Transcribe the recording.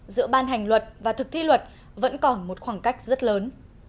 giữa ban hành luật và thực thi luật vẫn còn một khoảng cách rất lớn